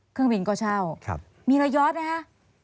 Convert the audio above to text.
เครื่องบินก็เช่ามีระยะไหมคะ